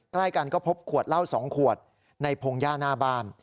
ใกล้กันก็พบขวดเหล้า๒ขวดในพงหญ้าหน้าบ้าน